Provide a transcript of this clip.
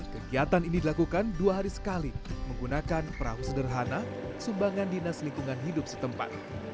kegiatan ini dilakukan dua hari sekali menggunakan perahu sederhana sumbangan dinas lingkungan hidup setempat